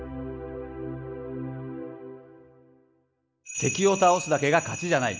敵を倒すだけが勝ちじゃない。